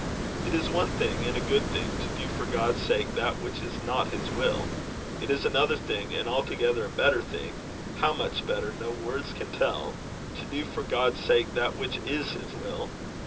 It is one thing, and a good thing, to do for God's sake that which is not his will: it is another thing, and altogether a better thing how much better, no words can tell to do for God's sake that which is his will.